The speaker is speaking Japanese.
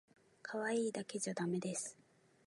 かわいいだけじゃだめです